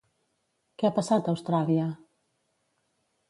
Què ha passat a Austràlia?